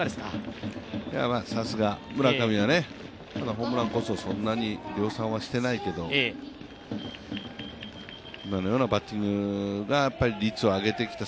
さすが村上はホームランこそそんなに量産はしてないけど、今のようなバッティングが率を上げてきた、